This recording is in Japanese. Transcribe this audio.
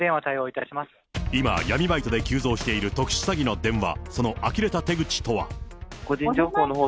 今、闇バイトで急増している特殊詐欺の電話。